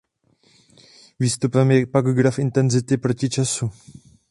Výstupem je pak graf intenzity proti času.